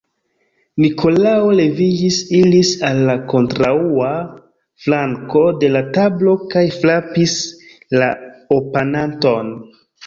Nikolao leviĝis, iris al la kontraŭa flanko de la tablo kaj frapis la oponanton.